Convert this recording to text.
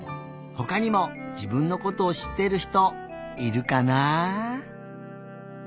ほかにも自分のことをしっている人いるかな？